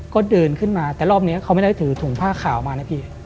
ก็เดินขึ้นมาแต่รอบนี้เขาไม่ได้ถือถุงผ้าขาวมานะพี่